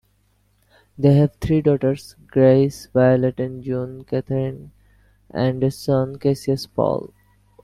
They have three daughters: Grace, Violet, and June Catherine, and a son, Cassius Paul.